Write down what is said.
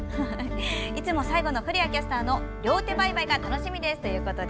いつも最後の古谷キャスターの両手バイバイが楽しみですと。